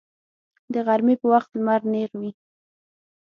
د غرمې په وخت لمر نیغ وي